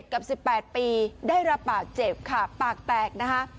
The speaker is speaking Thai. ๑๗กับ๑๘ปีได้ระปากเจ็บค่ะปากแตกนะฮะ